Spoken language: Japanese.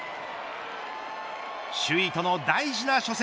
首位との大事な初戦。